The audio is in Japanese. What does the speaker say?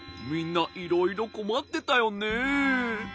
みんないろいろこまってたよね。